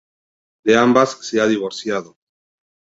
De ambas se ha divorciado.